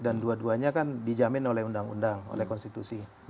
dan dua duanya kan dijamin oleh undang undang oleh konstitusi